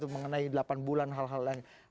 mengenai delapan bulan hal hal yang